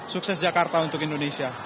sukses jakarta untuk indonesia